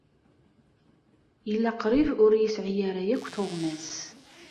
Yella qrib ur yesɛi ara akk tuɣmas.